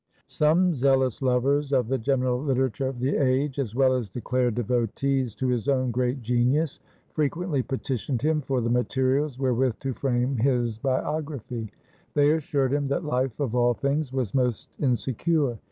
Some zealous lovers of the general literature of the age, as well as declared devotees to his own great genius, frequently petitioned him for the materials wherewith to frame his biography. They assured him, that life of all things was most insecure.